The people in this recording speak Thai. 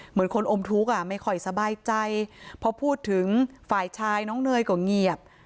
เหมือนคนอมทุกข์อ่ะไม่ค่อยสบายใจพอพูดถึงฝ่ายชายน้องเนยก็เงียบ